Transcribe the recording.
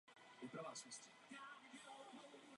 Česky se tomuto prostoru říká zjednodušeně orchestra.